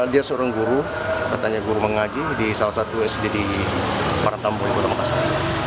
dia seorang guru katanya guru mengaji di salah satu sd di para tampung ibu kota makassar